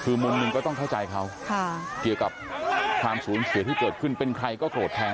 คือมุมหนึ่งก็ต้องเข้าใจเขาเกี่ยวกับความสูญเสียที่เกิดขึ้นเป็นใครก็โกรธแทน